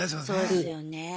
そうですよね。